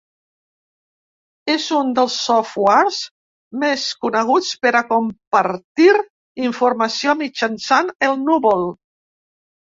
És un dels softwares més coneguts per a compartir informació mitjançant el núvol.